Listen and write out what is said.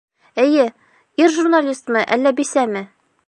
Эйе, ир журналистмы, әллә бисәме?